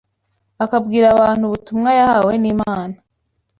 akabwira abantu ubutumwa yahawe n’Imana